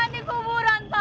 di kuburan di kuburan pak